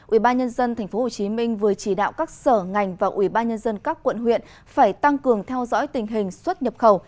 ubnd tp hcm vừa chỉ đạo các sở ngành và ubnd các quận huyện phải tăng cường theo dõi tình hình xuất nhập khẩu